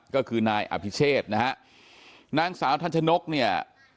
ก็คือนายอภิเชษนะฮะนางสาวทันชนกเนี่ย